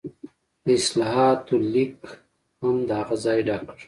د اصلاحاتو لیګ هم د هغه ځای ډک کړ.